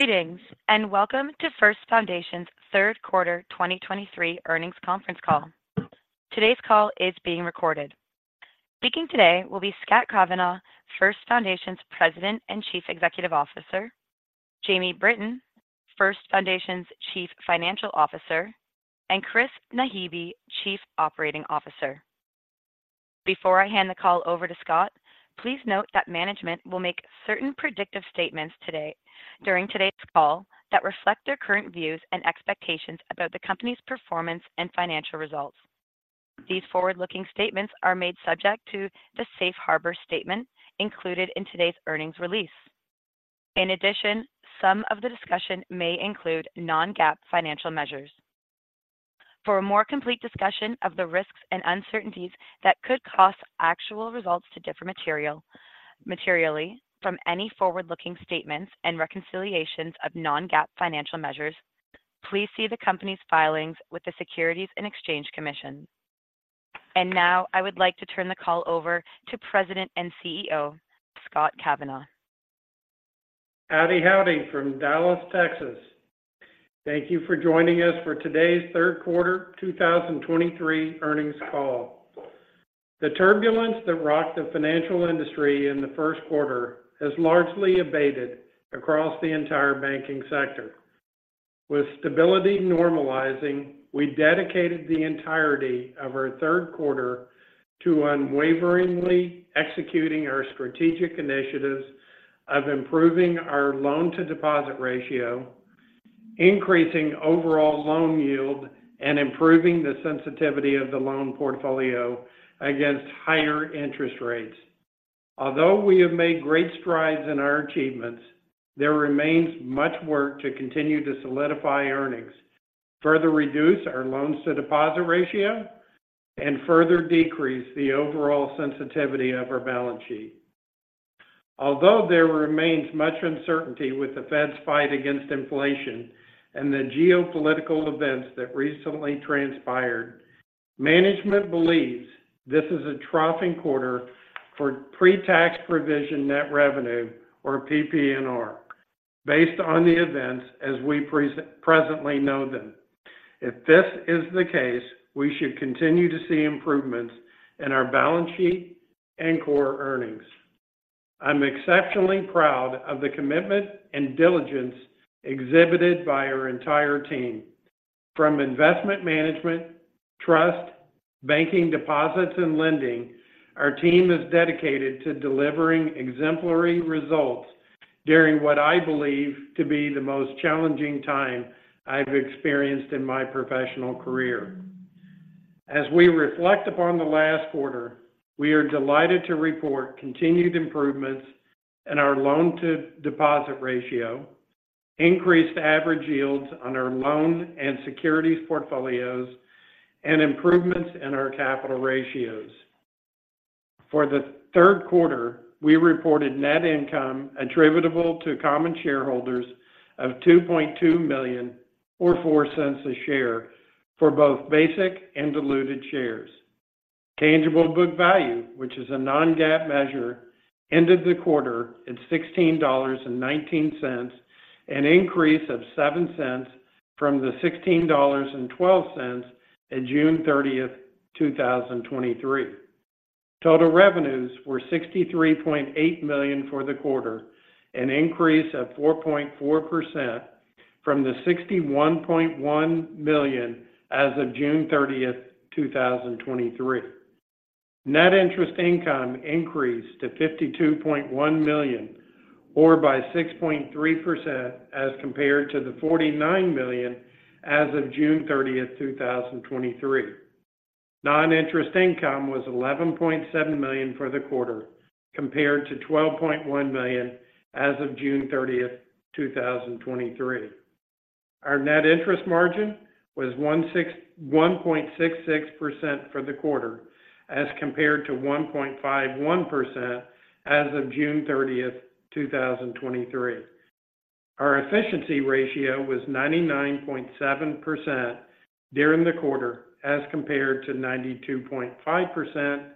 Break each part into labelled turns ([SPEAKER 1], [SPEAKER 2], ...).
[SPEAKER 1] Greetings, and welcome to First Foundation's Third Quarter 2023 earnings conference call. Today's call is being recorded. Speaking today will be Scott Kavanaugh, First Foundation's President and Chief Executive Officer, Jamie Britton, First Foundation's Chief Financial Officer, and Chris Naghibi, Chief Operating Officer. Before I hand the call over to Scott, please note that management will make certain predictive statements today, during today's call that reflect their current views and expectations about the company's performance and financial results. These forward-looking statements are made subject to the safe harbor statement included in today's earnings release. In addition, some of the discussion may include non-GAAP financial measures. For a more complete discussion of the risks and uncertainties that could cause actual results to differ materially from any forward-looking statements and reconciliations of non-GAAP financial measures, please see the company's filings with the Securities and Exchange Commission. Now, I would like to turn the call over to President and CEO, Scott Kavanaugh.
[SPEAKER 2] Howdy, howdy from Dallas, Texas. Thank you for joining us for today's third quarter 2023 earnings call. The turbulence that rocked the financial industry in the first quarter has largely abated across the entire banking sector. With stability normalizing, we dedicated the entirety of our third quarter to unwaveringly executing our strategic initiatives of improving our loan-to-deposit ratio, increasing overall loan yield, and improving the sensitivity of the loan portfolio against higher interest rates. Although we have made great strides in our achievements, there remains much work to continue to solidify earnings, further reduce our loans to deposit ratio, and further decrease the overall sensitivity of our balance sheet. Although there remains much uncertainty with the Fed's fight against inflation and the geopolitical events that recently transpired, management believes this is a troughing quarter for pre-tax provision net revenue, or PPNR, based on the events as we presently know them. If this is the case, we should continue to see improvements in our balance sheet and core earnings. I'm exceptionally proud of the commitment and diligence exhibited by our entire team. From investment management, trust, banking deposits, and lending, our team is dedicated to delivering exemplary results during what I believe to be the most challenging time I've experienced in my professional career. As we reflect upon the last quarter, we are delighted to report continued improvements in our loan-to-deposit ratio, increased average yields on our loan and securities portfolios, and improvements in our capital ratios. For the third quarter, we reported net income attributable to common shareholders of $2.2 million or $0.04 per share for both basic and diluted shares. Tangible book value, which is a non-GAAP measure, ended the quarter at $16.19, an increase of $0.07 from the $16.12 at June 30th, 2023. Total revenues were $63.8 million for the quarter, an increase of 4.4% from the $61.1 million as of June 30th, 2023. Net interest income increased to $52.1 million, or by 6.3% as compared to the $49 million as of June 30th, 2023. Non-interest income was $11.7 million for the quarter, compared to $12.1 million as of June 30th, 2023. Our net interest margin was 1.66% for the quarter, as compared to 1.51% as of June 30th, 2023. Our efficiency ratio was 99.7% during the quarter, as compared to 92.5%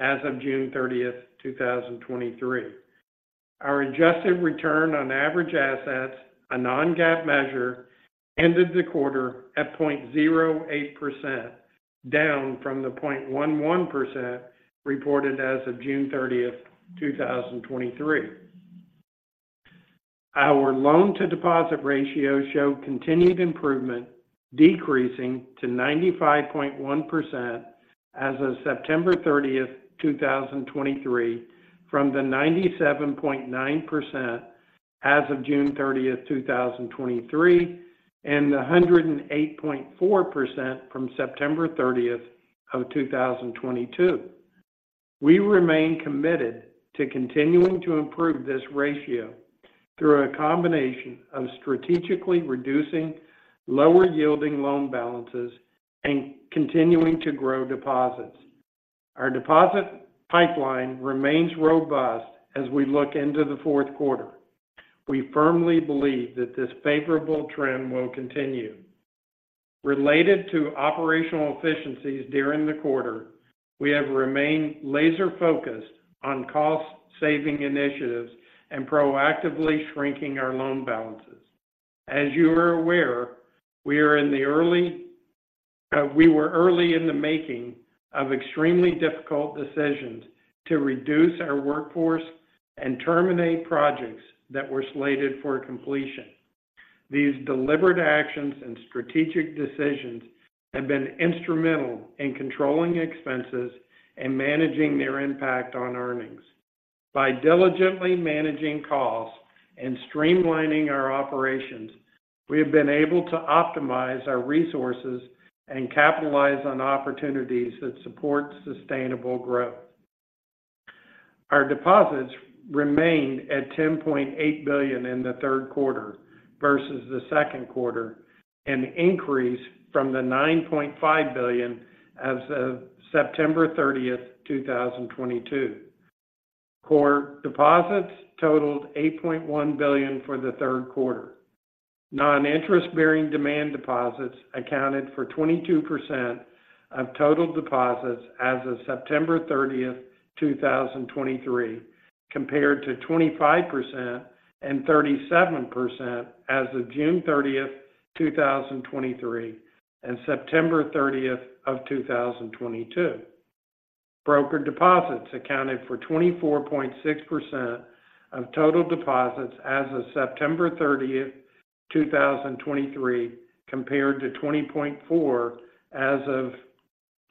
[SPEAKER 2] as of June 30th, 2023. Our adjusted return on average assets, a non-GAAP measure, ended the quarter at 0.08%, down from the 0.11% reported as of June 30th, 2023. Our loan-to-deposit ratio showed continued improvement, decreasing to 95.1% as of September 30th, 2023, from the 97.9% as of June 30th, 2023, and the 108.4% from September 30th, 2022. We remain committed to continuing to improve this ratio through a combination of strategically reducing lower-yielding loan balances and continuing to grow deposits. Our deposit pipeline remains robust as we look into the fourth quarter. We firmly believe that this favorable trend will continue. Related to operational efficiencies during the quarter, we have remained laser-focused on cost-saving initiatives and proactively shrinking our loan balances. As you are aware, we are in the early, we were early in the making of extremely difficult decisions to reduce our workforce and terminate projects that were slated for completion. These deliberate actions and strategic decisions have been instrumental in controlling expenses and managing their impact on earnings. By diligently managing costs and streamlining our operations, we have been able to optimize our resources and capitalize on opportunities that support sustainable growth. Our deposits remained at $10.8 billion in the third quarter versus the second quarter, an increase from the $9.5 billion as of September 30th, 2022. Core deposits totaled $8.1 billion for the third quarter. Non-interest-bearing demand deposits accounted for 22% of total deposits as of September 30th, 2023, compared to 25% and 37% as of June 30th, 2023, and September 30th, 2022. Brokered deposits accounted for 24.6% of total deposits as of September 30th, 2023, compared to 20.4% as of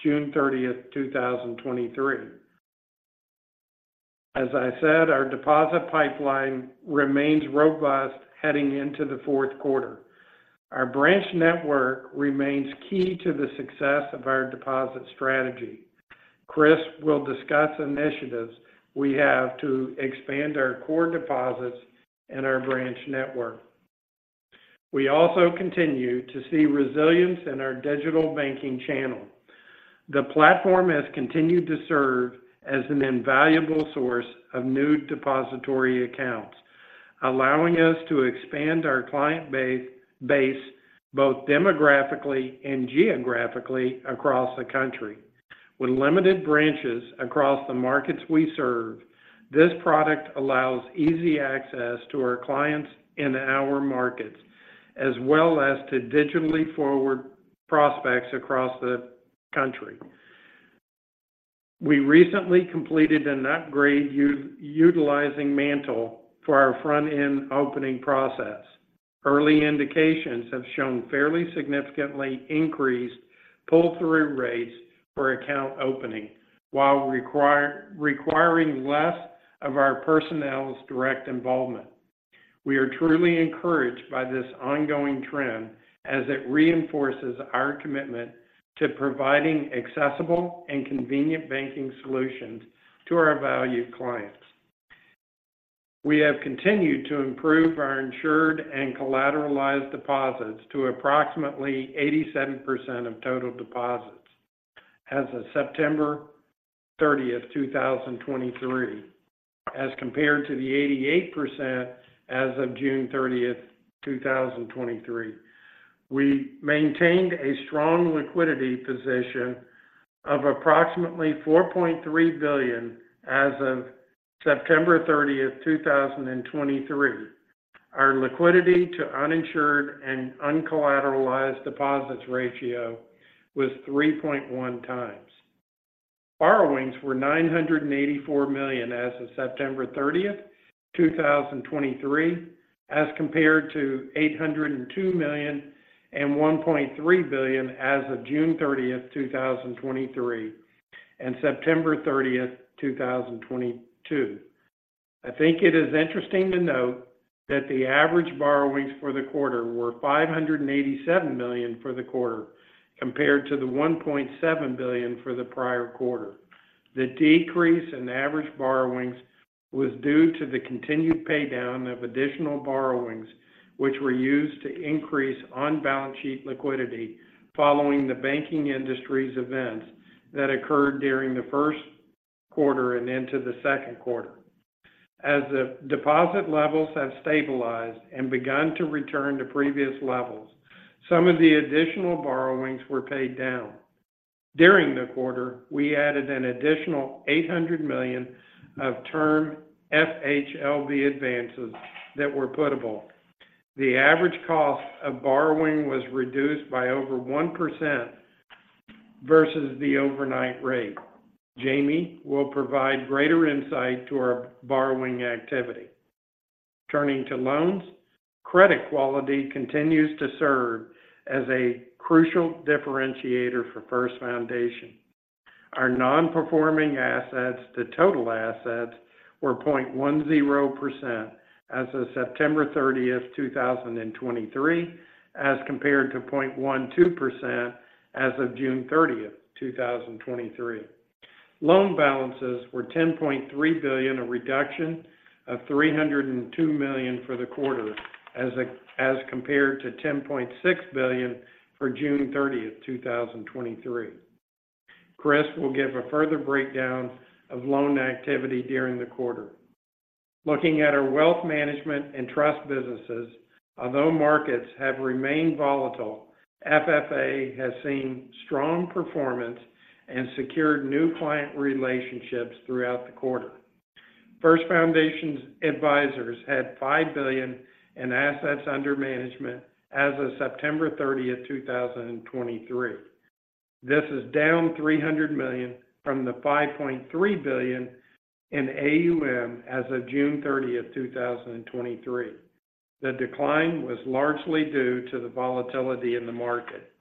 [SPEAKER 2] June 30th, 2023. As I said, our deposit pipeline remains robust heading into the fourth quarter. Our branch network remains key to the success of our deposit strategy. Chris will discuss initiatives we have to expand our core deposits and our branch network. We also continue to see resilience in our digital banking channel. The platform has continued to serve as an invaluable source of new depository accounts, allowing us to expand our client base both demographically and geographically across the country. With limited branches across the markets we serve, this product allows easy access to our clients in our markets, as well as to digitally forward prospects across the country. We recently completed an upgrade utilizing MANTL for our front-end opening process. Early indications have shown fairly significantly increased pull-through rates for account opening, while requiring less of our personnel's direct involvement. We are truly encouraged by this ongoing trend as it reinforces our commitment to providing accessible and convenient banking solutions to our valued clients. We have continued to improve our insured and collateralized deposits to approximately 87% of total deposits as of September 30th, 2023, as compared to the 88% as of June 30th, 2023. We maintained a strong liquidity position of approximately $4.3 billion as of September 30th, 2023. Our liquidity to uninsured and uncollateralized deposits ratio was 3.1 times. Borrowings were $984 million as of September 30th, 2023, as compared to $802 million and $1.3 billion as of June 30th, 2023, and September 30th, 2022. I think it is interesting to note that the average borrowings for the quarter were $587 million for the quarter, compared to the $1.7 billion for the prior quarter. The decrease in average borrowings was due to the continued paydown of additional borrowings, which were used to increase on-balance sheet liquidity following the banking industry's events that occurred during the first quarter and into the second quarter. As the deposit levels have stabilized and begun to return to previous levels, some of the additional borrowings were paid down. During the quarter, we added an additional $800 million of term FHLB advances that were puttable. The average cost of borrowing was reduced by over 1% versus the overnight rate. Jamie will provide greater insight to our borrowing activity. Turning to loans, credit quality continues to serve as a crucial differentiator for First Foundation. Our non-performing assets to total assets were 0.10% as of September 30th, 2023, as compared to 0.12% as of June 30th, 2023. Loan balances were $10.3 billion, a reduction of $302 million for the quarter, as compared to $10.6 billion for June 30th, 2023. Chris will give a further breakdown of loan activity during the quarter. Looking at our wealth management and trust businesses, although markets have remained volatile, FFA has seen strong performance and secured new client relationships throughout the quarter. First Foundation's advisors had $5 billion in assets under management as of September 30th, 2023. This is down $300 million from the $5.3 billion in AUM as of June 30th, 2023. The decline was largely due to the volatility in the market.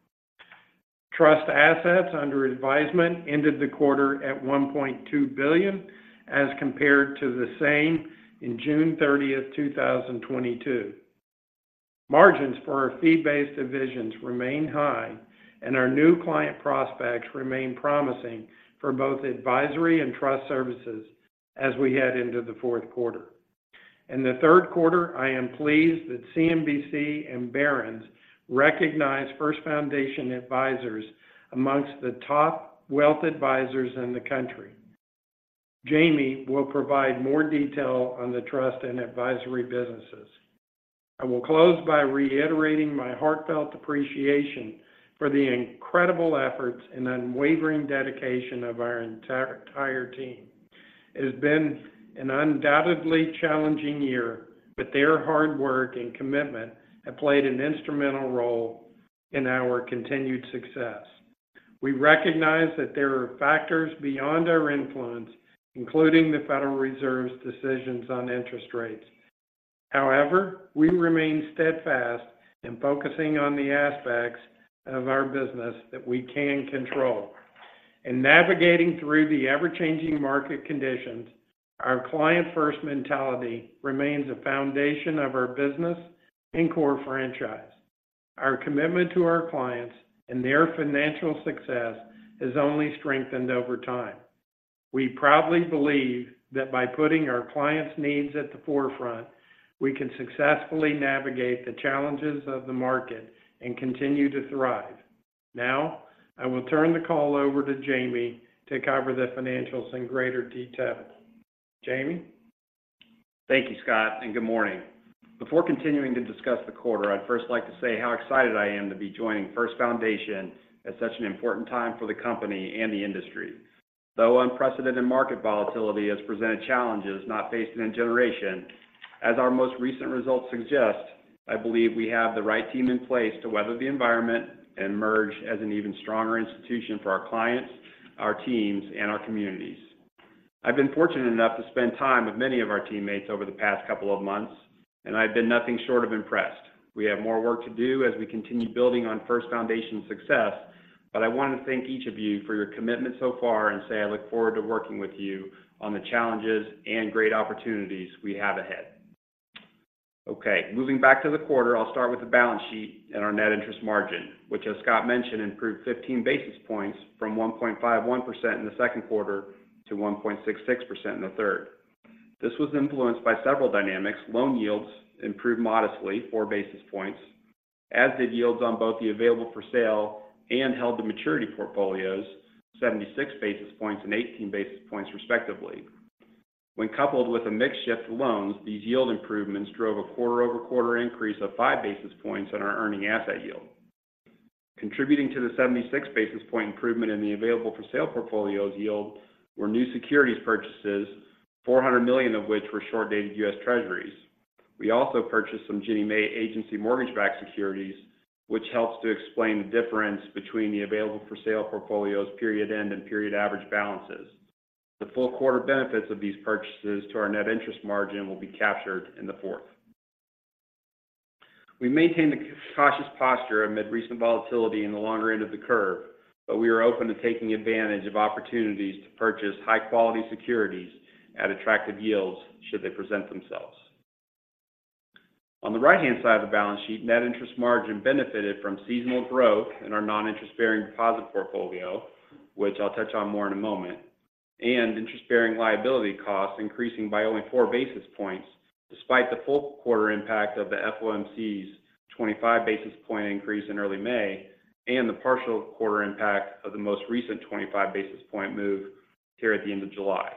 [SPEAKER 2] Trust assets under advisement ended the quarter at $1.2 billion as compared to the same in June 30th, 2022. Margins for our fee-based divisions remain high, and our new client prospects remain promising for both advisory and trust services as we head into the fourth quarter. In the third quarter, I am pleased that CNBC and Barron's recognized First Foundation Advisors amongst the top wealth advisors in the country. Jamie will provide more detail on the trust and advisory businesses. I will close by reiterating my heartfelt appreciation for the incredible efforts and unwavering dedication of our entire team. It has been an undoubtedly challenging year, but their hard work and commitment have played an instrumental role in our continued success. We recognize that there are factors beyond our influence, including the Federal Reserve's decisions on interest rates. However, we remain steadfast in focusing on the aspects of our business that we can control. In navigating through the ever-changing market conditions, our client-first mentality remains a foundation of our business and core franchise. Our commitment to our clients and their financial success has only strengthened over time. We proudly believe that by putting our clients' needs at the forefront, we can successfully navigate the challenges of the market and continue to thrive. Now, I will turn the call over to Jamie to cover the financials in greater detail. Jamie?
[SPEAKER 3] Thank you, Scott, and good morning. Before continuing to discuss the quarter, I'd first like to say how excited I am to be joining First Foundation at such an important time for the company and the industry. Though unprecedented market volatility has presented challenges not faced in a generation, as our most recent results suggest, I believe we have the right team in place to weather the environment and emerge as an even stronger institution for our clients, our teams, and our communities. I've been fortunate enough to spend time with many of our teammates over the past couple of months, and I've been nothing short of impressed. We have more work to do as we continue building on First Foundation's success, but I want to thank each of you for your commitment so far and say I look forward to working with you on the challenges and great opportunities we have ahead. Okay, moving back to the quarter, I'll start with the balance sheet and our net interest margin, which, as Scott mentioned, improved 15 basis points from 1.51% in the second quarter to 1.66% in the third. This was influenced by several dynamics. Loan yields improved modestly 4 basis points, as did yields on both the available-for-sale and held-to-maturity portfolios, 76 basis points and 18 basis points, respectively. When coupled with a mix shift loans, these yield improvements drove a quarter-over-quarter increase of 5 basis points on our earning asset yield. Contributing to the 76 basis point improvement in the available for sale portfolio's yield were new securities purchases, $400 million of which were short-dated U.S. Treasuries. We also purchased some Ginnie Mae Agency mortgage-backed securities, which helps to explain the difference between the available for sale portfolio's period end and period average balances. The full quarter benefits of these purchases to our net interest margin will be captured in the fourth. We maintained a cautious posture amid recent volatility in the longer end of the curve, but we are open to taking advantage of opportunities to purchase high-quality securities at attractive yields should they present themselves. On the right-hand side of the balance sheet, net interest margin benefited from seasonal growth in our non-interest-bearing deposit portfolio, which I'll touch on more in a moment, and interest-bearing liability costs increasing by only 4 basis points, despite the full quarter impact of the FOMC's 25 basis point increase in early May and the partial quarter impact of the most recent 25 basis point move here at the end of July.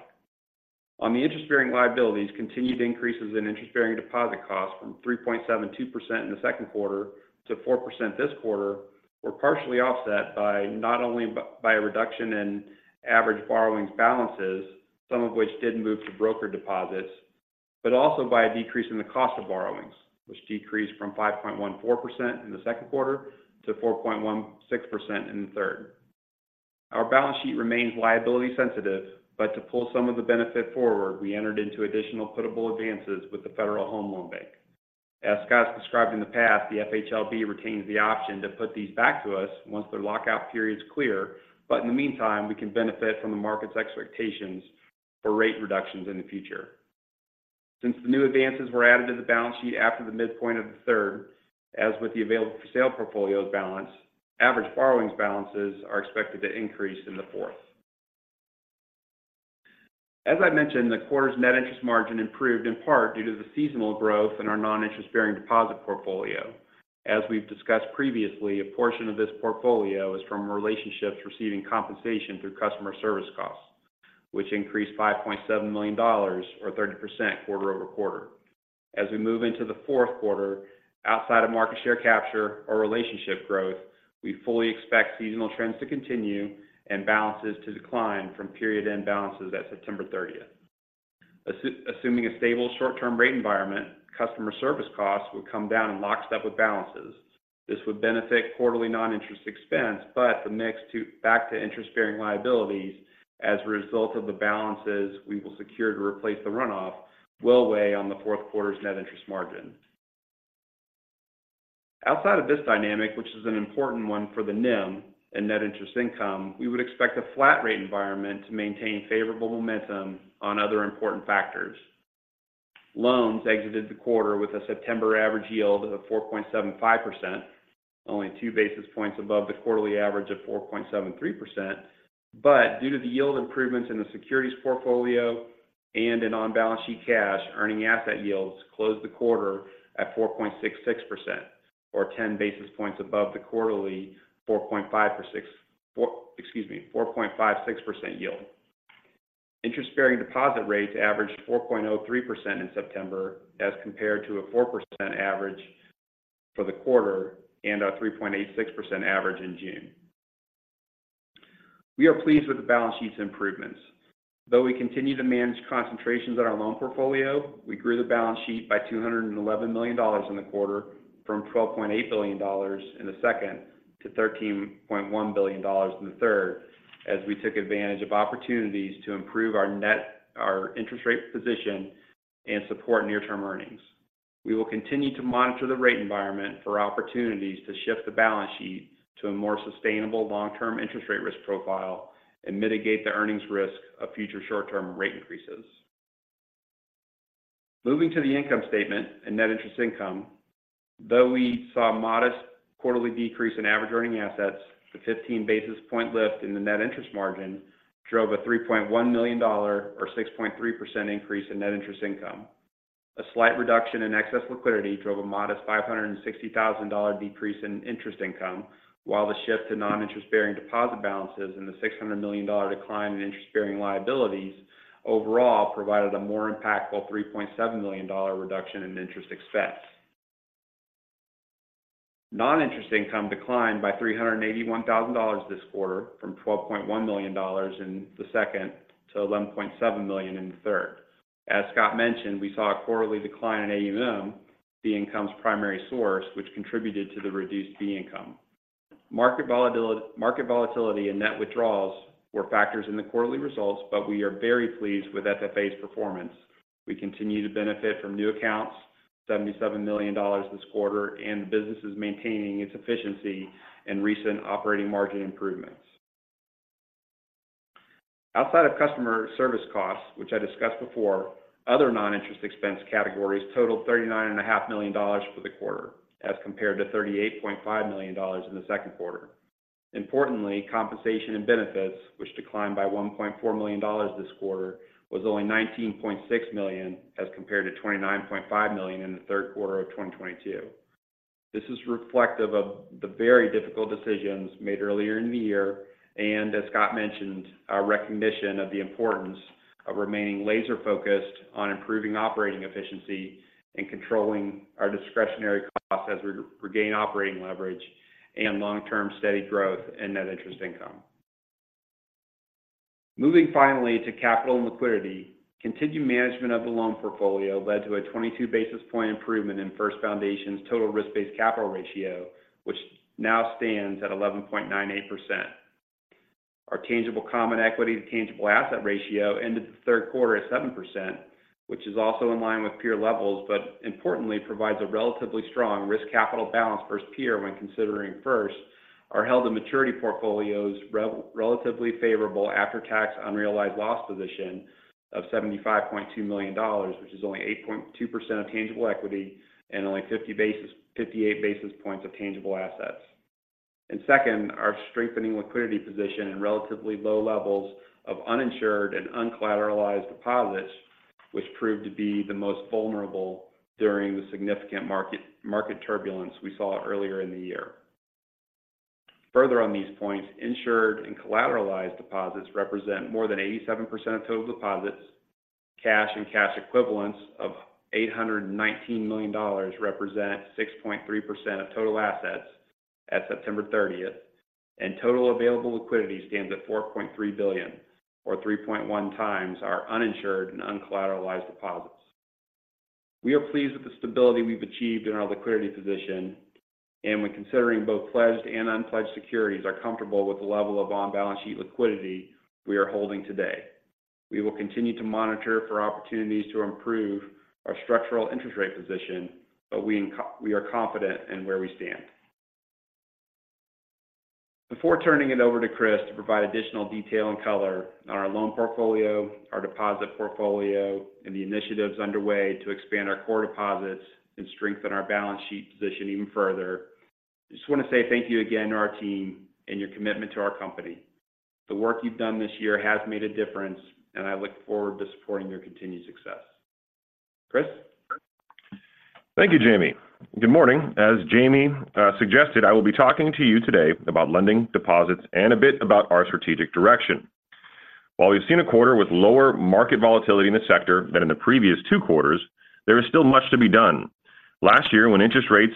[SPEAKER 3] On the interest-bearing liabilities, continued increases in interest-bearing deposit costs from 3.72% in the second quarter to 4% this quarter were partially offset by not only by a reduction in average borrowings balances, some of which did move to broker deposits, but also by a decrease in the cost of borrowings, which decreased from 5.14% in the second quarter to 4.16% in the third. Our balance sheet remains liability sensitive, but to pull some of the benefit forward, we entered into additional puttable advances with the Federal Home Loan Bank. As Scott described in the past, the FHLB retains the option to put these back to us once their lockout periods clear, but in the meantime, we can benefit from the market's expectations for rate reductions in the future. Since the new advances were added to the balance sheet after the midpoint of the third, as with the available for sale portfolio's balance, average borrowings balances are expected to increase in the fourth quarter. As I mentioned, the quarter's net interest margin improved in part due to the seasonal growth in our non-interest-bearing deposit portfolio. As we've discussed previously, a portion of this portfolio is from relationships receiving compensation through customer service costs, which increased $5.7 million, or 30% quarter-over-quarter. As we move into the fourth quarter, outside of market share capture or relationship growth, we fully expect seasonal trends to continue and balances to decline from period-end balances at September 30th. Assuming a stable short-term rate environment, customer service costs would come down in lockstep with balances. This would benefit quarterly non-interest expense, but the mix back to interest-bearing liabilities as a result of the balances we will secure to replace the runoff, will weigh on the fourth quarter's net interest margin. Outside of this dynamic, which is an important one for the NIM and net interest income, we would expect a flat rate environment to maintain favorable momentum on other important factors. Loans exited the quarter with a September average yield of 4.75%, only 2 basis points above the quarterly average of 4.73%. But due to the yield improvements in the securities portfolio and in on-balance sheet cash, earning asset yields closed the quarter at 4.66%, or 10 basis points above the quarterly four point five six percent yield. Interest-bearing deposit rates averaged 4.03% in September, as compared to a 4% average for the quarter and a 3.86% average in June. We are pleased with the balance sheet's improvements. Though we continue to manage concentrations in our loan portfolio, we grew the balance sheet by $211 million in the quarter, from $12.8 billion in the second to $13.1 billion in the third, as we took advantage of opportunities to improve our interest rate position and support near-term earnings. We will continue to monitor the rate environment for opportunities to shift the balance sheet to a more sustainable long-term interest rate risk profile and mitigate the earnings risk of future short-term rate increases. Moving to the income statement and net interest income, though we saw a modest quarterly decrease in average earning assets, the 15 basis point lift in the net interest margin drove a $3.1 million, or 6.3% increase in net interest income. A slight reduction in excess liquidity drove a modest $560,000 decrease in interest income, while the shift to non-interest-bearing deposit balances and the $600 million decline in interest-bearing liabilities overall provided a more impactful $3.7 million reduction in interest expense. Non-interest income declined by $381,000 this quarter, from $12.1 million in the second to $11.7 million in the third. As Scott mentioned, we saw a quarterly decline in AUM, the income's primary source, which contributed to the reduced fee income. Market volatility and net withdrawals were factors in the quarterly results, but we are very pleased with FFA's performance. We continue to benefit from new accounts, $77 million this quarter, and the business is maintaining its efficiency and recent operating margin improvements. Outside of customer service costs, which I discussed before, other non-interest expense categories totaled $39.5 million for the quarter, as compared to $38.5 million in the second quarter. Importantly, compensation and benefits, which declined by $1.4 million this quarter, was only $19.6 million, as compared to $29.5 million in the third quarter of 2022. This is reflective of the very difficult decisions made earlier in the year, and as Scott mentioned, our recognition of the importance of remaining laser-focused on improving operating efficiency and controlling our discretionary costs as we regain operating leverage and long-term steady growth and net interest income. Moving finally to capital and liquidity, continued management of the loan portfolio led to a 22 basis point improvement in First Foundation's total risk-based capital ratio, which now stands at 11.98%. Our tangible common equity to tangible asset ratio ended the third quarter at 7%, which is also in line with peer levels, but importantly, provides a relatively strong risk capital balance versus peer when considering first, our held-to-maturity portfolio's relatively favorable after-tax unrealized loss position of $75.2 million, which is only 8.2% of tangible equity and only fifty-eight basis points of tangible assets. And second, our strengthening liquidity position and relatively low levels of uninsured and uncollateralized deposits, which proved to be the most vulnerable during the significant market turbulence we saw earlier in the year. Further on these points, insured and collateralized deposits represent more than 87% of total deposits. Cash and cash equivalents of $819 million represent 6.3% of total assets at September 30th, and total available liquidity stands at $4.3 billion, or 3.1 times our uninsured and uncollateralized deposits. We are pleased with the stability we've achieved in our liquidity position, and when considering both pledged and unpledged securities, are comfortable with the level of on-balance sheet liquidity we are holding today. We will continue to monitor for opportunities to improve our structural interest rate position, but we are confident in where we stand. Before turning it over to Chris to provide additional detail and color on our loan portfolio, our deposit portfolio, and the initiatives underway to expand our core deposits and strengthen our balance sheet position even further. I just want to say thank you again to our team and your commitment to our company. The work you've done this year has made a difference, and I look forward to supporting your continued success. Chris?
[SPEAKER 4] Thank you, Jamie. Good morning. As Jamie suggested, I will be talking to you today about lending, deposits, and a bit about our strategic direction. While we've seen a quarter with lower market volatility in the sector than in the previous two quarters, there is still much to be done. Last year, when interest rates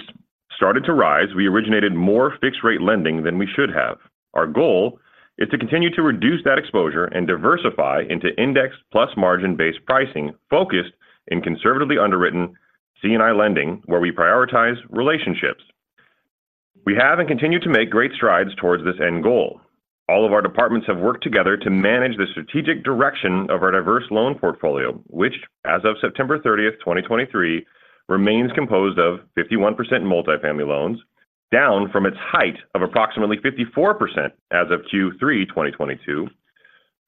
[SPEAKER 4] started to rise, we originated more fixed-rate lending than we should have. Our goal is to continue to reduce that exposure and diversify into index plus margin-based pricing focused in conservatively underwritten C&I lending, where we prioritize relationships. We have and continue to make great strides towards this end goal. All of our departments have worked together to manage the strategic direction of our diverse loan portfolio, which, as of September 30th, 2023, remains composed of 51% multifamily loans, down from its height of approximately 54% as of Q3 2022,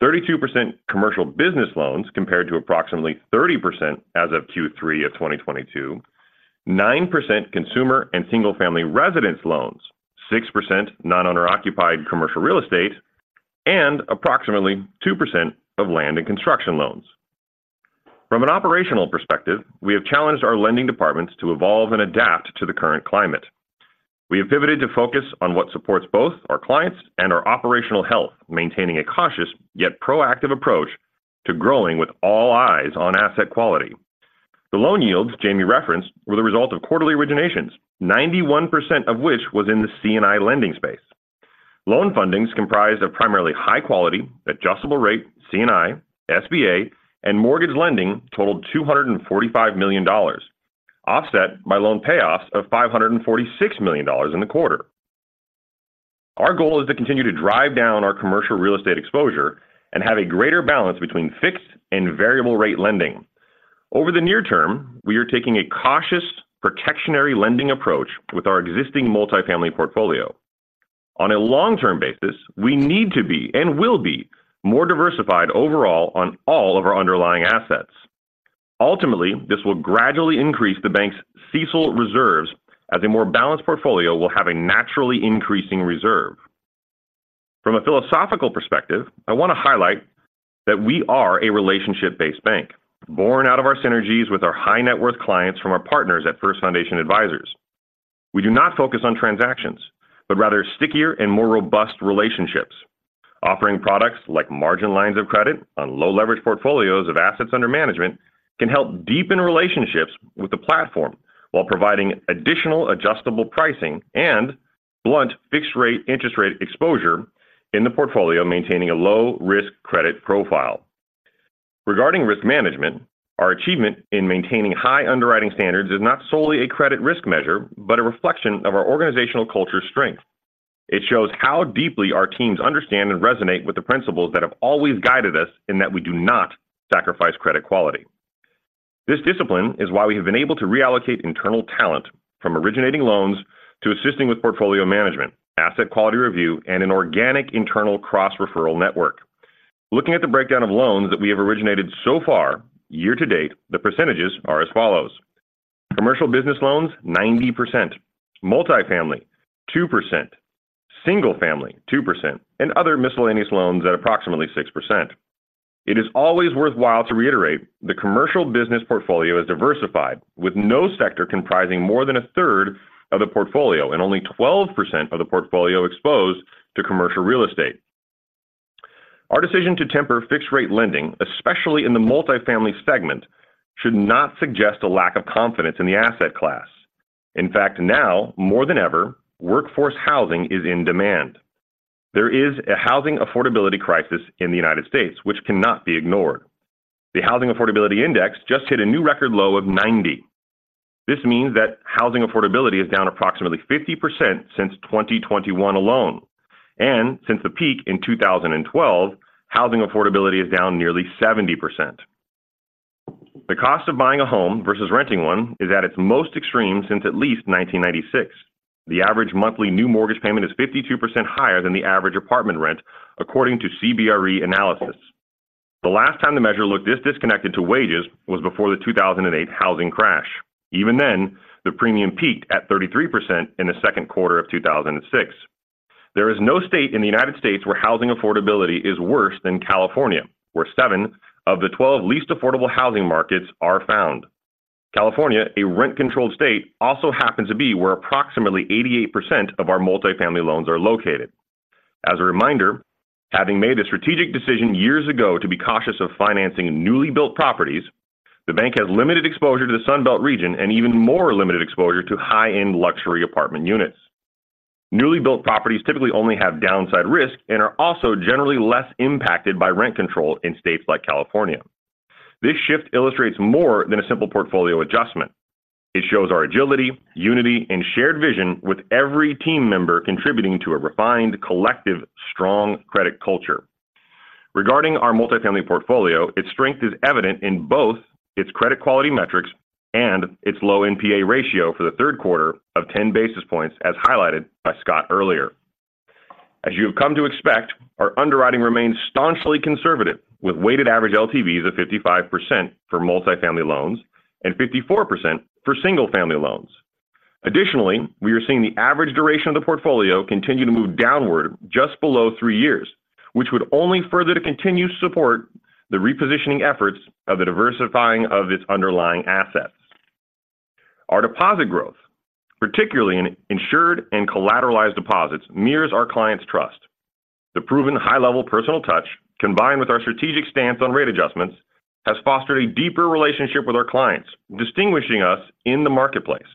[SPEAKER 4] 32% commercial business loans, compared to approximately 30% as of Q3 of 2022, 9% consumer and single-family residence loans, 6% non-owner occupied commercial real estate, and approximately 2% of land and construction loans. From an operational perspective, we have challenged our lending departments to evolve and adapt to the current climate. We have pivoted to focus on what supports both our clients and our operational health, maintaining a cautious yet proactive approach to growing with all eyes on asset quality. The loan yields Jamie referenced were the result of quarterly originations, 91% of which was in the C&I lending space. Loan fundings comprised of primarily high quality, adjustable rate, C&I, SBA, and mortgage lending totaled $245 million, offset by loan payoffs of $546 million in the quarter. Our goal is to continue to drive down our commercial real estate exposure and have a greater balance between fixed and variable rate lending. Over the near term, we are taking a cautious, protective lending approach with our existing multifamily portfolio. On a long-term basis, we need to be and will be more diversified overall on all of our underlying assets. Ultimately, this will gradually increase the bank's CECL reserves, as a more balanced portfolio will have a naturally increasing reserve. From a philosophical perspective, I want to highlight that we are a relationship-based bank, born out of our synergies with our high-net-worth clients from our partners at First Foundation Advisors. We do not focus on transactions, but rather stickier and more robust relationships. Offering products like margin lines of credit on low-leverage portfolios of assets under management can help deepen relationships with the platform while providing additional adjustable pricing and blunt fixed rate, interest rate exposure in the portfolio, maintaining a low-risk credit profile. Regarding risk management, our achievement in maintaining high underwriting standards is not solely a credit risk measure but a reflection of our organizational culture strength. It shows how deeply our teams understand and resonate with the principles that have always guided us, and that we do not sacrifice credit quality. This discipline is why we have been able to reallocate internal talent from originating loans to assisting with portfolio management, asset quality review, and an organic internal cross-referral network. Looking at the breakdown of loans that we have originated so far, year to date, the percentages are as follows: commercial business loans, 90%; multifamily, 2%; single family, 2%; and other miscellaneous loans at approximately 6%. It is always worthwhile to reiterate the commercial business portfolio is diversified, with no sector comprising more than a third of the portfolio and only 12% of the portfolio exposed to commercial real estate. Our decision to temper fixed rate lending, especially in the multifamily segment, should not suggest a lack of confidence in the asset class. In fact, now more than ever, workforce housing is in demand. There is a housing affordability crisis in the United States which cannot be ignored. The housing affordability index just hit a new record low of 90. This means that housing affordability is down approximately 50% since 2021 alone, and since the peak in 2012, housing affordability is down nearly 70%. The cost of buying a home versus renting one is at its most extreme since at least 1996. The average monthly new mortgage payment is 52% higher than the average apartment rent, according to CBRE analysis. The last time the measure looked this disconnected to wages was before the 2008 housing crash. Even then, the premium peaked at 33% in the second quarter of 2006. There is no state in the United States where housing affordability is worse than California, where 7 of the 12 least affordable housing markets are found. California, a rent-controlled state, also happens to be where approximately 88% of our multifamily loans are located. As a reminder, having made a strategic decision years ago to be cautious of financing newly built properties, the bank has limited exposure to the Sun Belt region and even more limited exposure to high-end luxury apartment units. Newly built properties typically only have downside risk and are also generally less impacted by rent control in states like California. This shift illustrates more than a simple portfolio adjustment. It shows our agility, unity, and shared vision with every team member contributing to a refined, collective, strong credit culture. Regarding our multifamily portfolio, its strength is evident in both its credit quality metrics and its low NPA ratio for the third quarter of 10 basis points, as highlighted by Scott earlier. As you have come to expect, our underwriting remains staunchly conservative, with weighted average LTVs of 55% for multifamily loans and 54% for single-family loans. Additionally, we are seeing the average duration of the portfolio continue to move downward just below 3 years, which would only further to continue to support the repositioning efforts of the diversifying of its underlying assets. Our deposit growth, particularly in insured and collateralized deposits, mirrors our clients' trust. The proven high-level personal touch, combined with our strategic stance on rate adjustments, has fostered a deeper relationship with our clients, distinguishing us in the marketplace.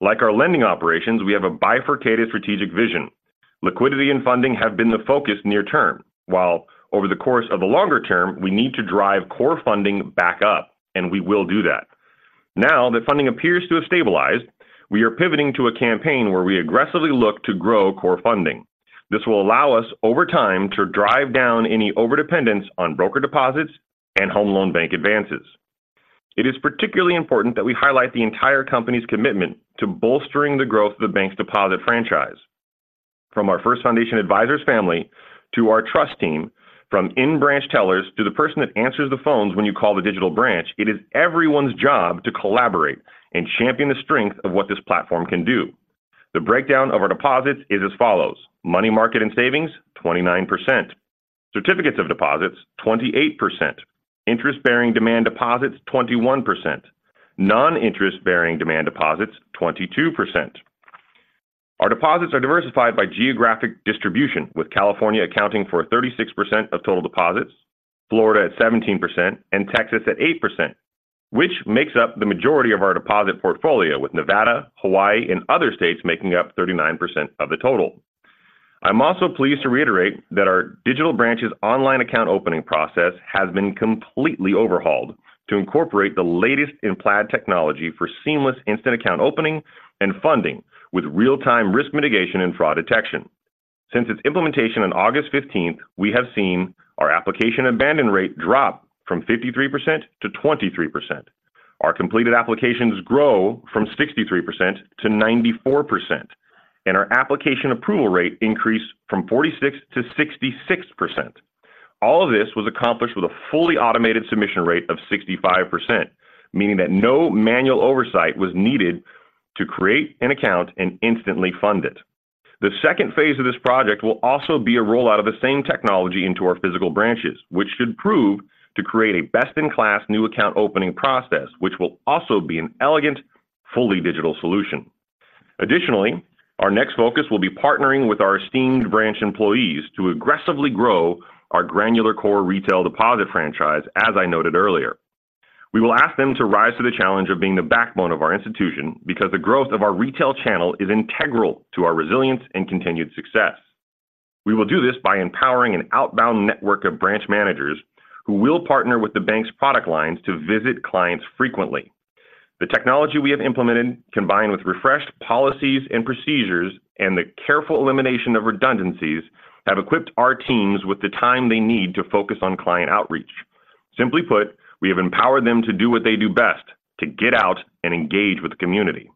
[SPEAKER 4] Like our lending operations, we have a bifurcated strategic vision. Liquidity and funding have been the focus near term, while over the course of the longer term, we need to drive core funding back up, and we will do that. Now that funding appears to have stabilized, we are pivoting to a campaign where we aggressively look to grow core funding. This will allow us, over time, to drive down any overdependence on broker deposits and Home Loan Bank advances. It is particularly important that we highlight the entire company's commitment to bolstering the growth of the bank's deposit franchise. From our First Foundation Advisors family to our trust team, from in-branch tellers to the person that answers the phones when you call the digital branch, it is everyone's job to collaborate and champion the strength of what this platform can do. The breakdown of our deposits is as follows: money market and savings, 29%; certificates of deposits, 28%; interest-bearing demand deposits, 21%; non-interest-bearing demand deposits, 22%. Our deposits are diversified by geographic distribution, with California accounting for 36% of total deposits, Florida at 17%, and Texas at 8%, which makes up the majority of our deposit portfolio, with Nevada, Hawaii, and other states making up 39% of the total. I'm also pleased to reiterate that our digital branch's online account opening process has been completely overhauled to incorporate the latest in Plaid technology for seamless instant account opening and funding, with real-time risk mitigation and fraud detection. Since its implementation on August 15th, we have seen our application abandon rate drop from 53% to 23%. Our completed applications grow from 63% to 94%, and our application approval rate increased from 46% to 66%. All of this was accomplished with a fully automated submission rate of 65%, meaning that no manual oversight was needed to create an account and instantly fund it. The second phase of this project will also be a rollout of the same technology into our physical branches, which should prove to create a best-in-class new account opening process, which will also be an elegant, fully digital solution. Additionally, our next focus will be partnering with our esteemed branch employees to aggressively grow our granular core retail deposit franchise, as I noted earlier. We will ask them to rise to the challenge of being the backbone of our institution because the growth of our retail channel is integral to our resilience and continued success. We will do this by empowering an outbound network of branch managers who will partner with the bank's product lines to visit clients frequently. The technology we have implemented, combined with refreshed policies and procedures and the careful elimination of redundancies, have equipped our teams with the time they need to focus on client outreach. Simply put, we have empowered them to do what they do best: to get out and engage with the community.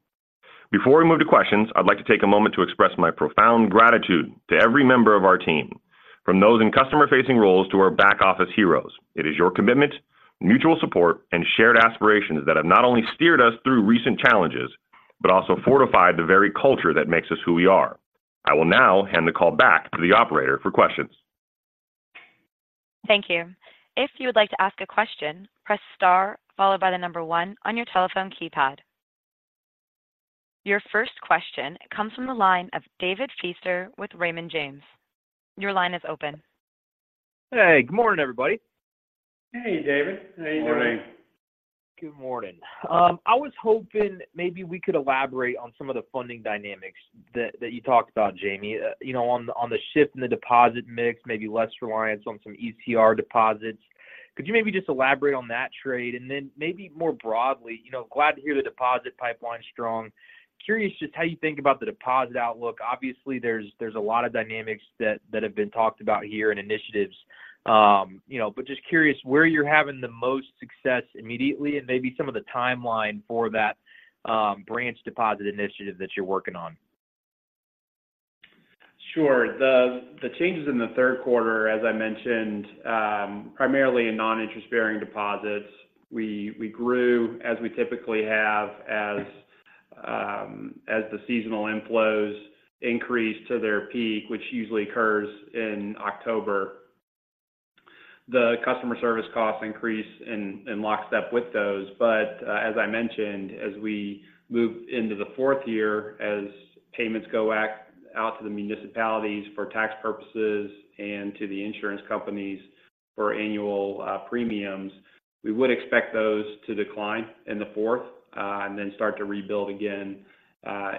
[SPEAKER 4] Before we move to questions, I'd like to take a moment to express my profound gratitude to every member of our team, from those in customer-facing roles to our back office heroes. It is your commitment, mutual support, and shared aspirations that have not only steered us through recent challenges, but also fortified the very culture that makes us who we are. I will now hand the call back to the operator for questions.
[SPEAKER 1] Thank you. If you would like to ask a question, press star followed by the number one on your telephone keypad. Your first question comes from the line of David Feaster with Raymond James. Your line is open.
[SPEAKER 5] Hey, good morning, everybody.
[SPEAKER 4] Hey, David. How are you doing?
[SPEAKER 2] Morning.
[SPEAKER 5] Good morning. I was hoping maybe we could elaborate on some of the funding dynamics that you talked about, Jamie. You know, on the shift in the deposit mix, maybe less reliance on some ECR deposits. Could you maybe just elaborate on that trade? And then maybe more broadly, you know, glad to hear the deposit pipeline is strong. Curious just how you think about the deposit outlook. Obviously, there's a lot of dynamics that have been talked about here and initiatives, you know, but just curious where you're having the most success immediately and maybe some of the timeline for that branch deposit initiative that you're working on.
[SPEAKER 3] Sure. The changes in the third quarter, as I mentioned, primarily in non-interest-bearing deposits. We grew, as we typically have, as the seasonal inflows increased to their peak, which usually occurs in October. The customer service costs increase in lockstep with those. But as I mentioned, as we move into the fourth quarter, as payments go out to the municipalities for tax purposes and to the insurance companies for annual premiums, we would expect those to decline in the fourth and then start to rebuild again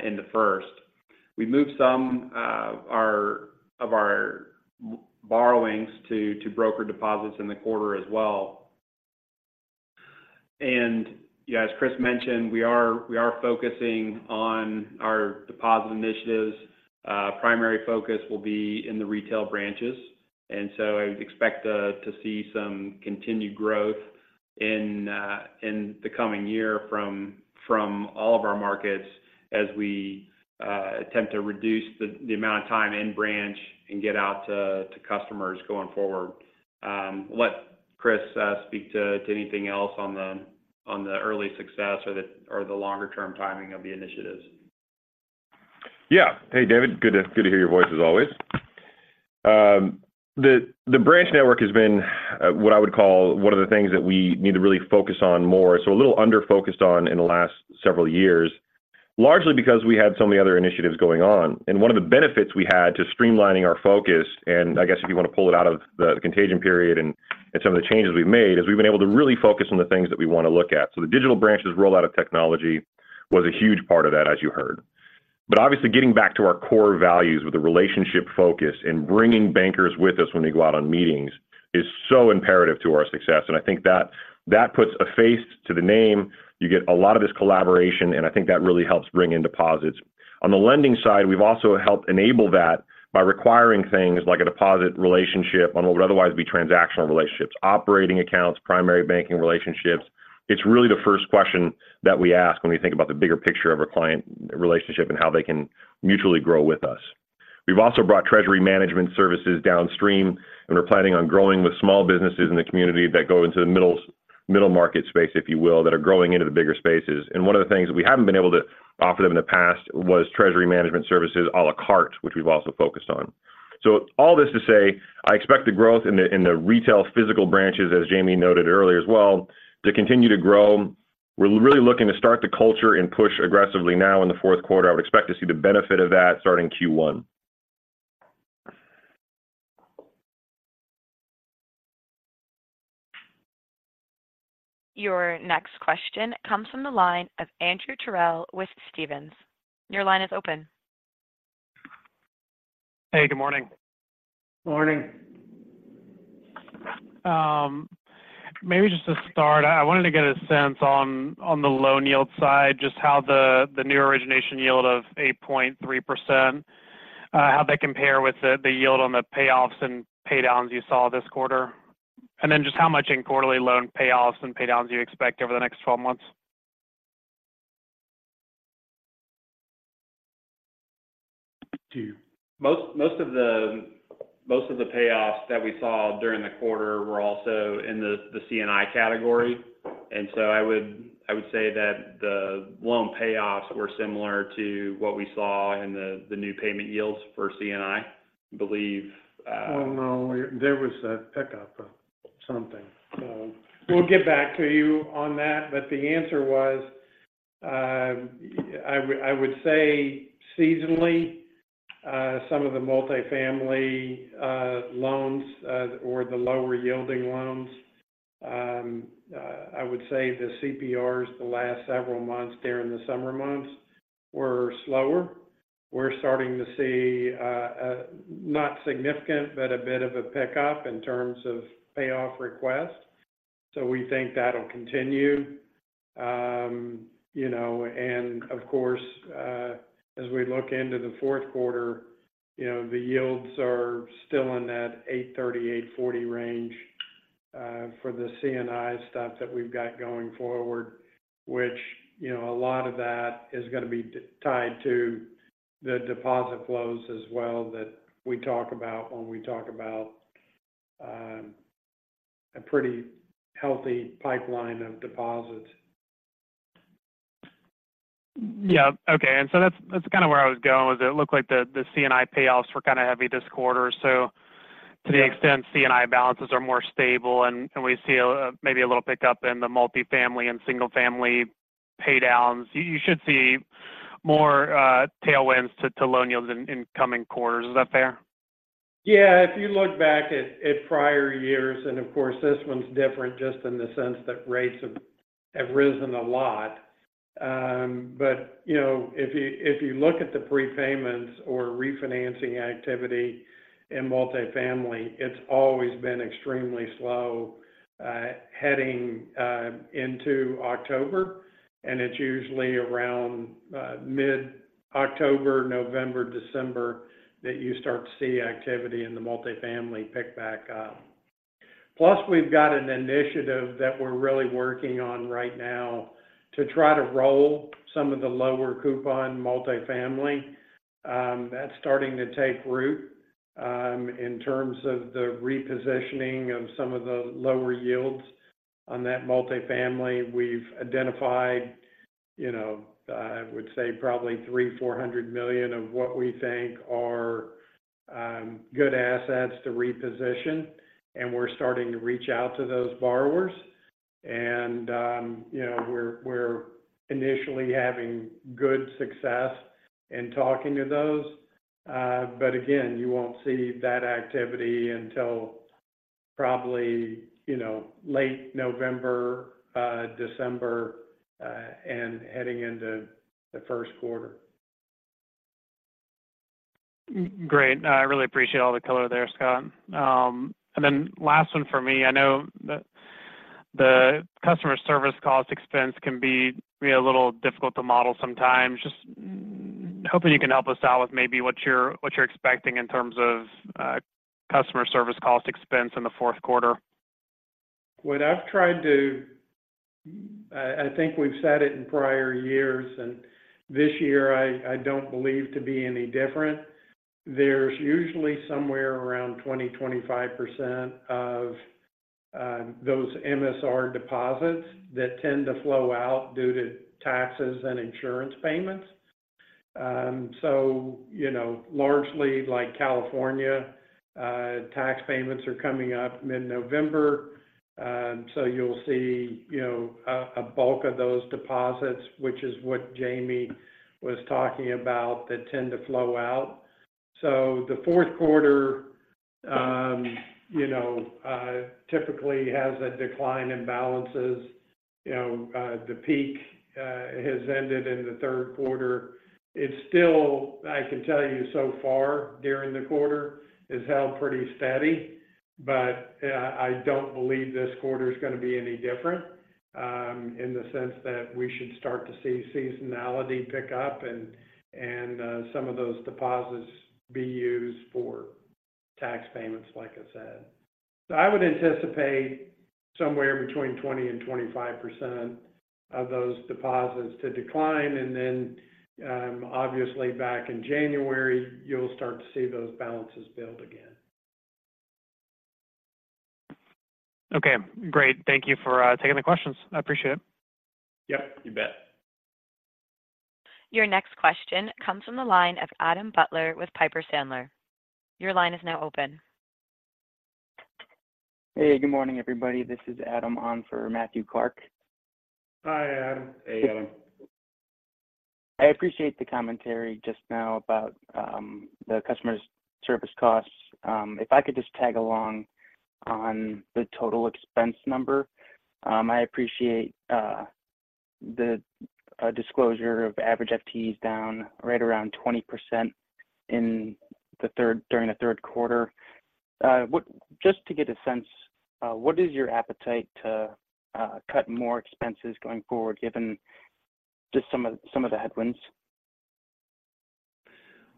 [SPEAKER 3] in the first. We moved some of our FHLB borrowings to brokered deposits in the quarter as well. And yeah, as Chris mentioned, we are focusing on our deposit initiatives. Primary focus will be in the retail branches. So, I would expect to see some continued growth in the coming year from all of our markets as we attempt to reduce the amount of time in branch and get out to customers going forward. I'll let Chris speak to anything else on the early success or the longer term timing of the initiatives.
[SPEAKER 4] Yeah. Hey, David, good to hear your voice as always. The branch network has been what I would call one of the things that we need to really focus on more, so a little under-focused on in the last several years, largely because we had so many other initiatives going on. And one of the benefits we had to streamlining our focus, and I guess if you want to pull it out of the contagion period and some of the changes we've made, is we've been able to really focus on the things that we want to look at. So the digital branches rollout of technology was a huge part of that, as you heard. But obviously, getting back to our core values with the relationship focus and bringing bankers with us when they go out on meetings is so imperative to our success. I think that puts a face to the name. You get a lot of this collaboration, and I think that really helps bring in deposits. On the lending side, we've also helped enable that by requiring things like a deposit relationship on what would otherwise be transactional relationships, operating accounts, primary banking relationships. It's really the first question that we ask when we think about the bigger picture of a client relationship and how they can mutually grow with us. We've also brought treasury management services downstream, and we're planning on growing with small businesses in the community that go into the middle, middle market space, if you will, that are growing into the bigger spaces. One of the things that we haven't been able to offer them in the past was treasury management services, à la carte, which we've also focused on. So all this to say, I expect the growth in the retail physical branches, as Jamie noted earlier as well, to continue to grow. We're really looking to start the culture and push aggressively now in the fourth quarter. I would expect to see the benefit of that starting Q1.
[SPEAKER 1] Your next question comes from the line of Andrew Terrell with Stephens. Your line is open.
[SPEAKER 6] Hey, good morning.
[SPEAKER 2] Morning.
[SPEAKER 6] Maybe just to start, I wanted to get a sense on the loan yield side, just how the new origination yield of 8.3%, how they compare with the yield on the payoffs and paydowns you saw this quarter. And then just how much in quarterly loan payoffs and paydowns do you expect over the next 12 months?
[SPEAKER 3] Most of the payoffs that we saw during the quarter were also in the C&I category. And so I would say that the loan payoffs were similar to what we saw in the new payment yields for C&I. I believe,
[SPEAKER 2] Well, no, there was a pickup of something. So we'll get back to you on that. But the answer was, I would, I would say seasonally, some of the multifamily, loans, or the lower-yielding loans, I would say the CPRs the last several months there in the summer months were slower. We're starting to see, a not significant, but a bit of a pickup in terms of payoff requests. So we think that'll continue. You know, and of course, as we look into the fourth quarter, you know, the yields are still in that 8.30-8.40 range, for the C&I stuff that we've got going forward, which, you know, a lot of that is going to be tied to the deposit flows as well, that we talk about when we talk about, a pretty healthy pipeline of deposits.
[SPEAKER 6] Yeah. Okay. So that's kind of where I was going. It looked like the C&I payoffs were kind of heavy this quarter. So, to the extent C&I balances are more stable and, and we see, maybe a little pickup in the multifamily and single-family paydowns, you, you should see more, tailwinds to, to loan yields in, in coming quarters. Is that fair?
[SPEAKER 2] Yeah. If you look back at prior years, and of course, this one's different just in the sense that rates have risen a lot. But, you know, if you look at the prepayments or refinancing activity in multifamily, it's always been extremely slow heading into October, and it's usually around mid-October, November, December, that you start to see activity in the multifamily pick back up. Plus, we've got an initiative that we're really working on right now to try to roll some of the lower coupon multifamily. That's starting to take root. In terms of the repositioning of some of the lower yields on that multifamily, we've identified, you know, I would say probably $300 million-$400 million of what we think are good assets to reposition, and we're starting to reach out to those borrowers. You know, we're initially having good success in talking to those. But again, you won't see that activity until probably, you know, late November, December, and heading into the first quarter.
[SPEAKER 6] Great. I really appreciate all the color there, Scott. And then last one for me. I know the, the customer service cost expense can be, be a little difficult to model sometimes. Hoping you can help us out with maybe what you're, what you're expecting in terms of, customer service cost expense in the fourth quarter.
[SPEAKER 2] What I've tried to-- I think we've said it in prior years, and this year, I, I don't believe to be any different. There's usually somewhere around 20-25% of those MSR deposits that tend to flow out due to taxes and insurance payments. So you know, largely like California, tax payments are coming up mid-November. So you'll see, you know, a bulk of those deposits, which is what Jamie was talking about, that tend to flow out. So the fourth quarter, you know, typically has a decline in balances. You know, the peak has ended in the third quarter. It's still, I can tell you so far during the quarter, has held pretty steady, but I don't believe this quarter is going to be any different, in the sense that we should start to see seasonality pick up and some of those deposits be used for tax payments, like I said. So I would anticipate somewhere between 20% and 25% of those deposits to decline, and then, obviously, back in January, you'll start to see those balances build again.
[SPEAKER 6] Okay, great. Thank you for taking the questions. I appreciate it.
[SPEAKER 3] Yep, you bet.
[SPEAKER 1] Your next question comes from the line of Adam Butler with Piper Sandler. Your line is now open.
[SPEAKER 7] Hey, good morning, everybody. This is Adam on for Matthew Clark.
[SPEAKER 2] Hi, Adam.
[SPEAKER 3] Hey, Adam.
[SPEAKER 7] I appreciate the commentary just now about the customer's service costs. If I could just tag along on the total expense number. I appreciate the disclosure of average FTEs down right around 20% during the third quarter. Just to get a sense, what is your appetite to cut more expenses going forward, given just some of, some of the headwinds?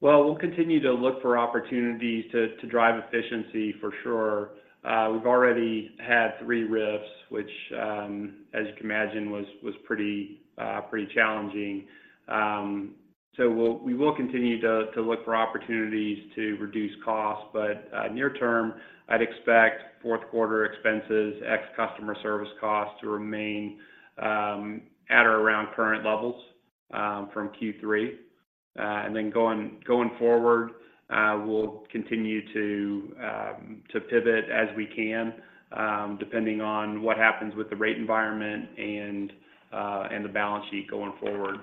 [SPEAKER 3] Well, we'll continue to look for opportunities to drive efficiency for sure. We've already had 3 RIFs, which, as you can imagine, was pretty challenging. So we'll continue to look for opportunities to reduce costs. But near term, I'd expect fourth quarter expenses, ex customer service costs, to remain at or around current levels from Q3. And then going forward, we'll continue to pivot as we can, depending on what happens with the rate environment and the balance sheet going forward.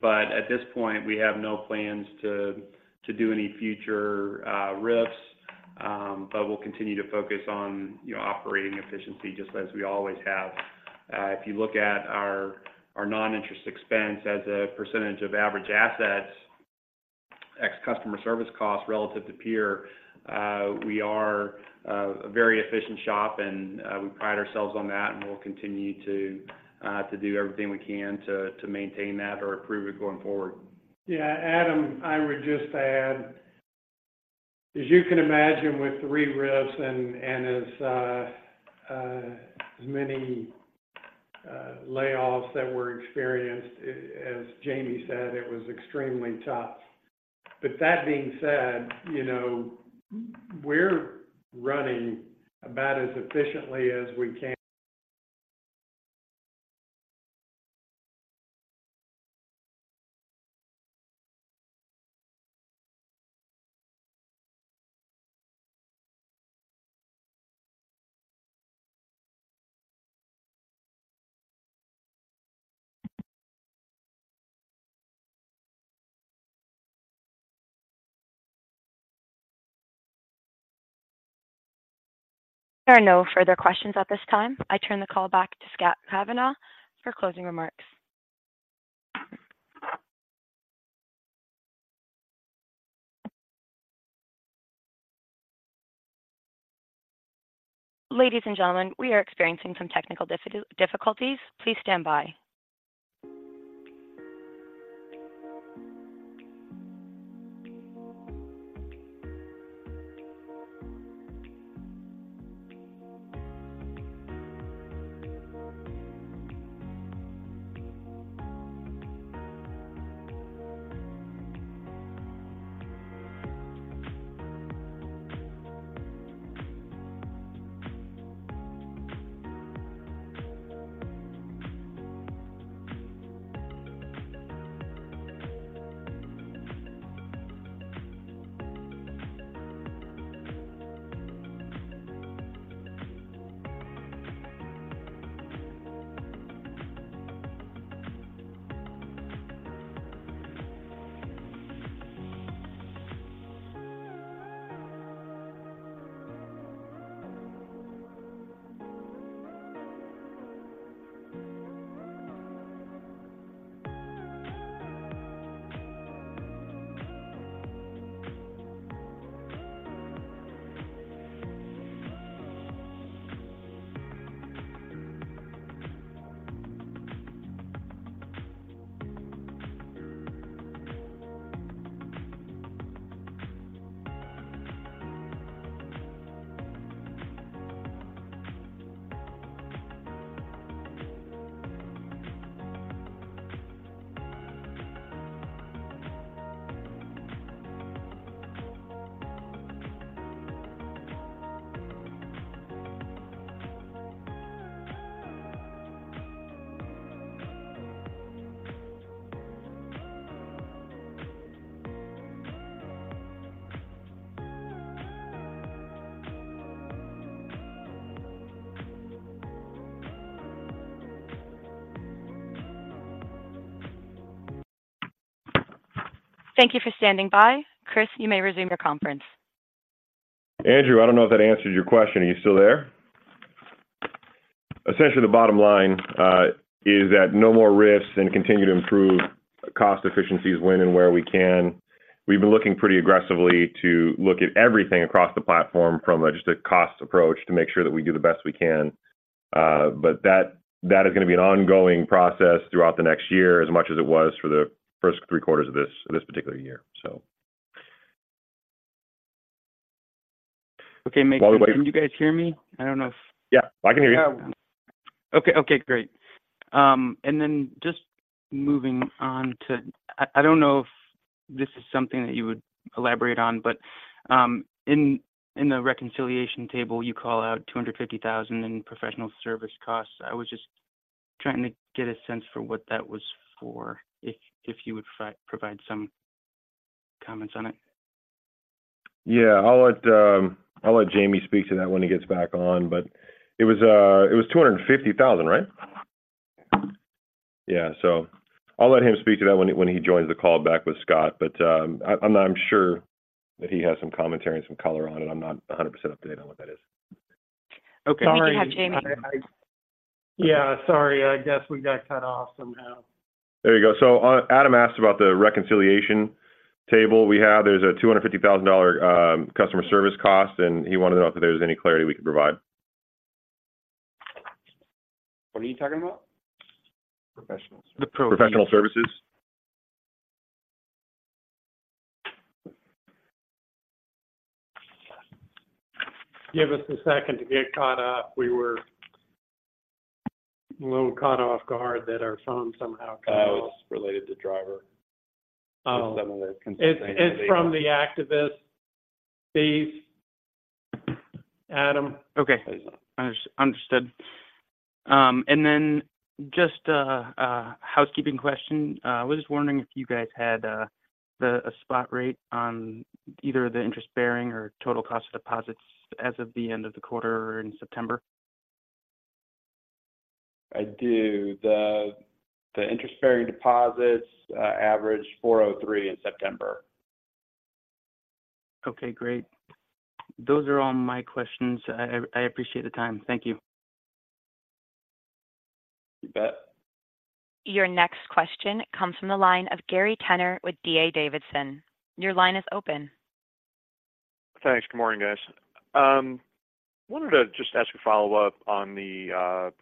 [SPEAKER 3] But at this point, we have no plans to do any future RIFs. But we'll continue to focus on, you know, operating efficiency just as we always have. If you look at our non-interest expense as a percentage of average assets, ex customer service costs relative to peer, we are a very efficient shop and we pride ourselves on that, and we'll continue to do everything we can to maintain that or improve it going forward.
[SPEAKER 2] Yeah, Adam, I would just add, as you can imagine, with three RIFs and as many layoffs that were experienced, as Jamie said, it was extremely tough. But that being said, you know, we're running about as efficiently as we can.
[SPEAKER 1] There are no further questions at this time. I turn the call back to Scott Kavanaugh for closing remarks. Ladies and gentlemen, we are experiencing some technical difficulties. Please stand by. Thank you for standing by. Chris, you may resume your conference.
[SPEAKER 4] Andrew, I don't know if that answers your question. Are you still there? Essentially, the bottom line is that no more risks and continue to improve cost efficiencies when and where we can. We've been looking pretty aggressively to look at everything across the platform from just a cost approach to make sure that we do the best we can. But that, that is gonna be an ongoing process throughout the next year, as much as it was for the first three quarters of this, this particular year, so...
[SPEAKER 7] Okay, can you guys hear me? I don't know if-
[SPEAKER 4] Yeah, I can hear you.
[SPEAKER 7] Okay. Okay, great. And then just moving on to—I don't know if this is something that you would elaborate on, but in the reconciliation table, you call out $250,000 in professional service costs. I was just trying to get a sense for what that was for, if you would provide some comments on it.
[SPEAKER 4] Yeah. I'll let, I'll let Jamie speak to that when he gets back on, but it was, it was $250,000, right? Yeah. So I'll let him speak to that when he, when he joins the call back with Scott. But, I, I'm not sure that he has some commentary and some color on it. I'm not 100% up to date on what that is.
[SPEAKER 7] Okay.
[SPEAKER 1] We do have Jamie.
[SPEAKER 3] Yeah, sorry. I guess we got cut off somehow.
[SPEAKER 4] There you go. So, Adam asked about the reconciliation table we have. There's a $250,000 customer service cost, and he wanted to know if there was any clarity we could provide.
[SPEAKER 3] What are you talking about?
[SPEAKER 7] Professional-
[SPEAKER 4] Professional services.
[SPEAKER 3] Give us a second to get caught up. We were a little caught off guard that our phone somehow got-
[SPEAKER 4] Oh, it's related to Driver.
[SPEAKER 3] Oh.
[SPEAKER 4] Some of the-
[SPEAKER 3] It's from the activist, Steve, Adam.
[SPEAKER 7] Okay. Understood. And then just a housekeeping question. I was just wondering if you guys had a spot rate on either the interest-bearing or total cost of deposits as of the end of the quarter or in September?
[SPEAKER 3] I do. The interest-bearing deposits averaged 4.03% in September.
[SPEAKER 7] Okay, great. Those are all my questions. I appreciate the time. Thank you.
[SPEAKER 3] You bet.
[SPEAKER 1] Your next question comes from the line of Gary Tenner with D.A. Davidson. Your line is open.
[SPEAKER 8] Thanks. Good morning, guys. Wanted to just ask a follow-up on the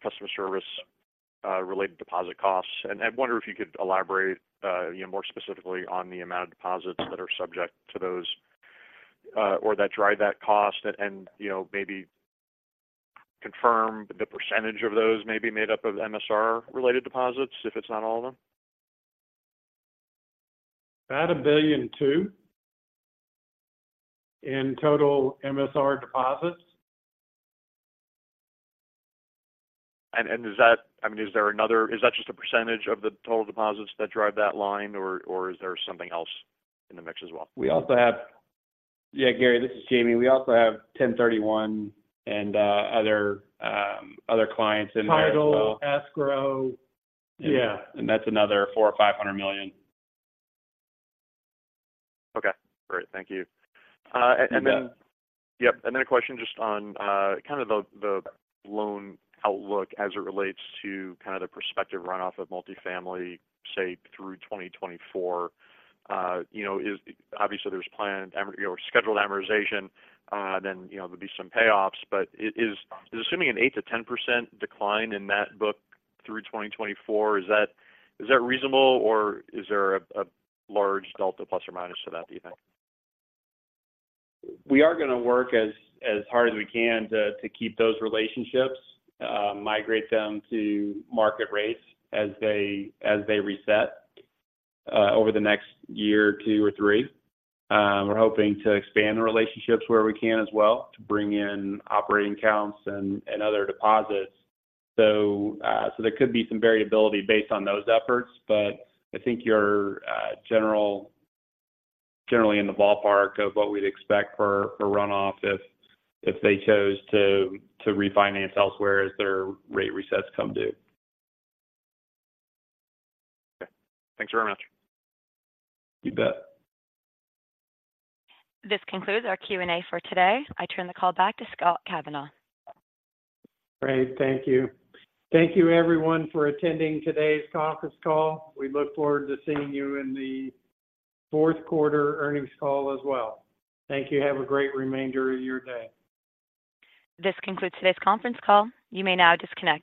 [SPEAKER 8] customer service related deposit costs, and I wonder if you could elaborate, you know, more specifically on the amount of deposits that are subject to those or that drive that cost, and you know, maybe confirm the percentage of those maybe made up of MSR-related deposits, if it's not all of them.
[SPEAKER 3] About $1.2 billion in total MSR deposits.
[SPEAKER 8] Is that-- I mean, is there another-- Is that just a percentage of the total deposits that drive that line, or is there something else in the mix as well?
[SPEAKER 3] We also have, Yeah, Gary, this is Jamie. We also have 1031 and other clients in there as well.
[SPEAKER 2] Title, escrow.
[SPEAKER 3] Yeah, that's another $400 million-$500 million.
[SPEAKER 8] Okay, great. Thank you. And then-
[SPEAKER 3] You bet.
[SPEAKER 8] Yep, and then a question just on kind of the loan outlook as it relates to kind of the prospective runoff of multifamily, say, through 2024. You know, is obviously, there's planned amortization or scheduled amortization, then you know, there'd be some payoffs, but it is assuming an 8%-10% decline in that book through 2024, is that reasonable, or is there a large delta ± to that, do you think?
[SPEAKER 3] We are gonna work as hard as we can to keep those relationships, migrate them to market rates as they reset over the next year or two or three. We're hoping to expand the relationships where we can as well, to bring in operating accounts and other deposits. So there could be some variability based on those efforts, but I think you're generally in the ballpark of what we'd expect for a runoff if they chose to refinance elsewhere as their rate resets come due.
[SPEAKER 8] Okay. Thanks very much.
[SPEAKER 3] You bet.
[SPEAKER 1] This concludes our Q&A for today. I turn the call back to Scott Kavanaugh.
[SPEAKER 2] Great. Thank you. Thank you everyone for attending today's conference call. We look forward to seeing you in the fourth quarter earnings call as well. Thank you. Have a great remainder of your day.
[SPEAKER 1] This concludes today's conference call. You may now disconnect.